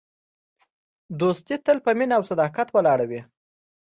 دوستي تل په مینه او صداقت ولاړه وي.